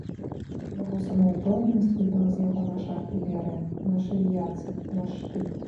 Яго самаўпэўненасць выбіла з яго наша артылерыя, наша авіяцыя, наш штык.